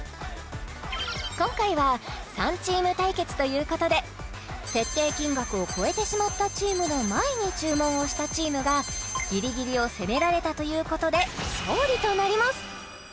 今回は３チーム対決ということで設定金額を超えてしまったチームの前に注文をしたチームがギリギリを攻められたということで勝利となります